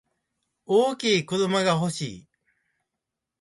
大きい車が欲しい。